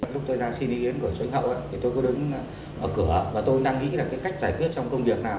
lúc tôi ra xin ý kiến của cho anh hậu thì tôi có đứng ở cửa và tôi đang nghĩ là cái cách giải quyết trong công việc nào